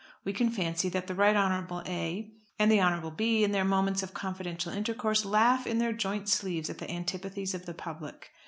We can fancy that the Right Honourable A. and the Honourable B. in their moments of confidential intercourse laugh in their joint sleeves at the antipathies of the public.